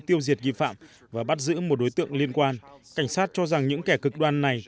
tiêu diệt nghi phạm và bắt giữ một đối tượng liên quan cảnh sát cho rằng những kẻ cực đoan này